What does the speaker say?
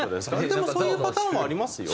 でもそういうパターンはありますよ。